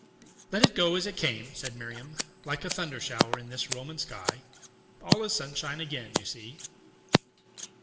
"Let it go as it came," said Miriam, "like a thunder shower in this Roman sky. All is sunshine again, you see!"